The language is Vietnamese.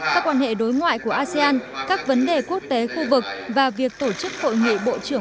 các quan hệ đối ngoại của asean các vấn đề quốc tế khu vực và việc tổ chức hội nghị bộ trưởng